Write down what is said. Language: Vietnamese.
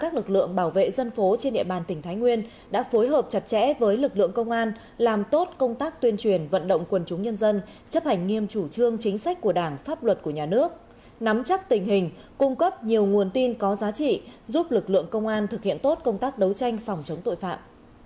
các lực lượng bảo vệ dân phố trên địa bàn tỉnh thái nguyên đã phối hợp chặt chẽ với lực lượng công an làm tốt công tác tuyên truyền vận động quần chúng nhân dân chấp hành nghiêm chủ trương chính sách của đảng pháp luật của nhà nước nắm chắc tình hình cung cấp nhiều nguồn tin có giá trị giúp lực lượng công an thực hiện tốt công tác đấu tranh phòng chống tội phạm